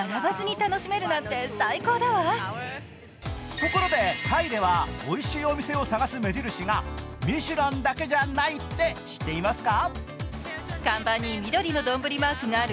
ところでタイではおいしいお店を探す目印がミシュランだけじゃないって知っていますか？